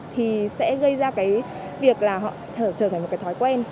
thì sẽ gây ra cái việc là họ trở thành một cái thói quen